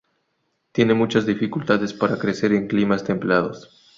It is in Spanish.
Tiene muchas dificultades para crecer en climas templados.